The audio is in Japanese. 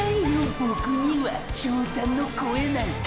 ボクには称賛の声なんか！！